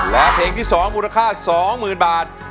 แล้วเพลงที่สองมูลค่าสองหมื่นบาท